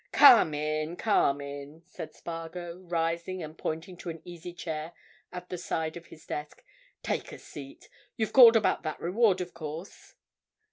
"Come in, come in!" said Spargo, rising and pointing to an easy chair at the side of his desk. "Take a seat. You've called about that reward, of course."